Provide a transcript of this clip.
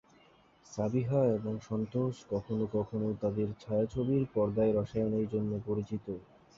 সাবিহা এবং সন্তোষ কখনও কখনও তাঁদের ছায়াছবির পর্দার রসায়নের জন্য পরিচিত।